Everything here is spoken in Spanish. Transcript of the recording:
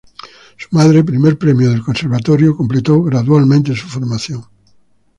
Su madre, primer premio del conservatorio completó gradualmente su formación.